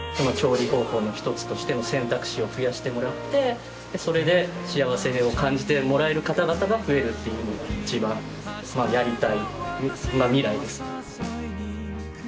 調理方法の一つとしての選択肢を増やしてもらってそれで幸せを感じてもらえる方々が増えるっていうのがいちばんやりたい未来です。